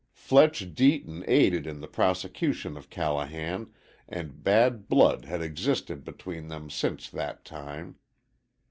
Fletch Deaton aided in the prosecution of Callahan, and bad blood had existed between them since that time.